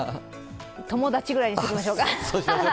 友達ぐらいにしときましょうか。